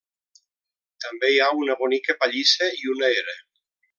També hi ha una bonica pallissa i una era.